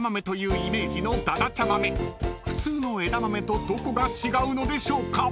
［普通の枝豆とどこが違うのでしょうか？］